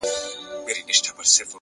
هڅاند انسان فرصتونه جوړوي.!